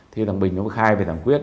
thì thằng bình nó khai về thằng quyết